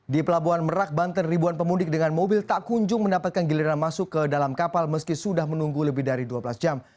di pelabuhan merak banten ribuan pemudik dengan mobil tak kunjung mendapatkan giliran masuk ke dalam kapal meski sudah menunggu lebih dari dua belas jam